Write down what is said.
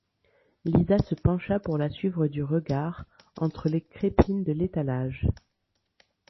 Lisa se pencha pour la suivre du regard, entre les crépines de l’étalage.